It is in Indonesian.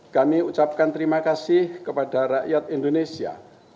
kami ucapkan terima kasih kepada rakyat indonesia